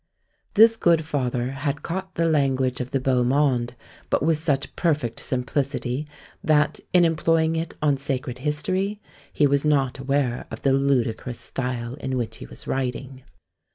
This good father had caught the language of the beau monde, but with such perfect simplicity that, in employing it on sacred history, he was not aware of the ludicrous style in which he was writing.